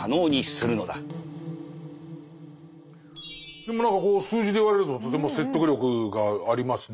でも何かこう数字で言われるととても説得力がありますね。